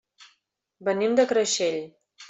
Venim de Creixell.